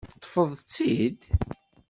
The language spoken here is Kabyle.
Teṭṭfeḍ-tt-id?